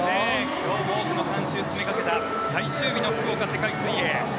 今日も多くの観衆が詰めかけた最終日の福岡世界水泳。